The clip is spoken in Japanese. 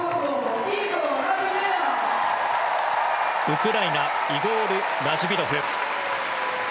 ウクライナイゴール・ラジビロフ。